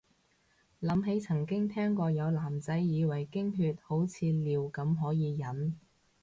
諗起曾經聽過有男仔以為經血好似尿咁可以忍